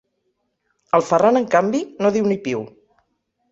El Ferran, en canvi, no diu ni piu.